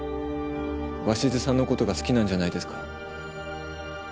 鷲津さんのことが好きなんじゃないですか？